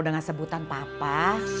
udah gak sebutan papa